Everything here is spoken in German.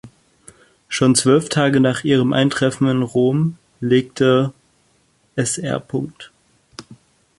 Schon zwölf Tage nach ihrem Eintreffen in Rom legte Sr.